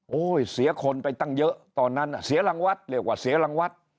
โอ้โหเสียคนไปตั้งเยอะตอนนั้นเสียรังวัดเรียกว่าเสียรังวัด